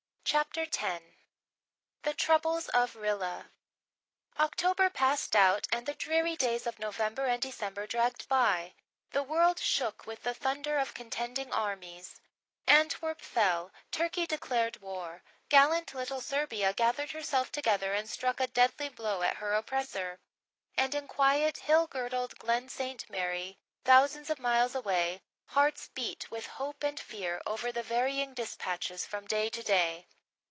CHAPTER X THE TROUBLES OF RILLA October passed out and the dreary days of November and December dragged by. The world shook with the thunder of contending armies; Antwerp fell Turkey declared war gallant little Serbia gathered herself together and struck a deadly blow at her oppressor; and in quiet, hill girdled Glen St. Mary, thousands of miles away, hearts beat with hope and fear over the varying dispatches from day to day.